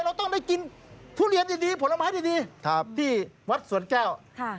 เราต้องได้กินทุเรียนดีดีผลไม้ดีดีครับที่วัดสวนแก้วครับ